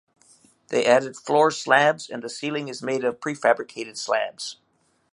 They added floor slabs and the ceiling is made up of prefabricated slabs.